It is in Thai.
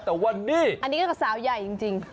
แต่ว่านี่อันนี้ก็คือสาวใหญ่จริง